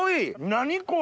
何これ！